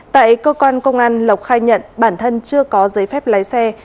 tại cơ quan công an lộc khai nhận bản thân chưa có giấy phép lái xe